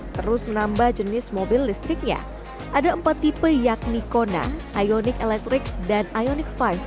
terus menambah jenis mobil listriknya ada empat tipe yakni kona ionic electric dan ioniq lima